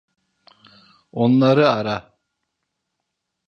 Onları ara.